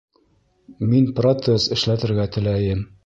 Мин протез эшләтергә теләйем